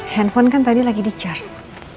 handphone kan tadi lagi di charge